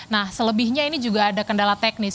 nah selebihnya ini juga ada kendala teknis